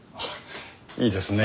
いいですね